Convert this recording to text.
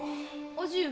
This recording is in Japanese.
叔父上。